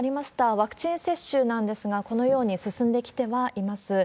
ワクチン接種なんですが、このように進んできてはいます。